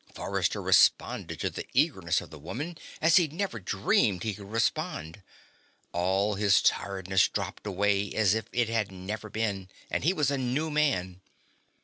Forrester responded to the eagerness of the woman as he'd never dreamed he could respond; all his tiredness dropped away as if it had never been, and he was a new man.